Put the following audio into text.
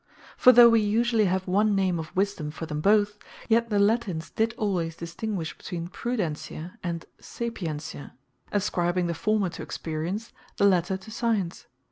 For though wee usually have one name of Wisedome for them both; yet the Latines did always distinguish between Prudentia and Sapientia, ascribing the former to Experience, the later to Science.